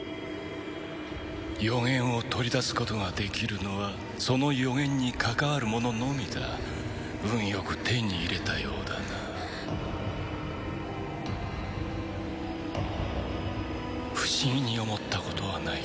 予言を取り出すことができるのはその予言に関わる者のみだ運よく手に入れたようだな不思議に思ったことはないか？